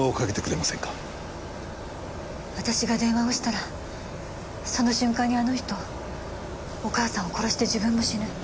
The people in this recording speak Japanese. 私が電話をしたらその瞬間にあの人お義母さんを殺して自分も死ぬ。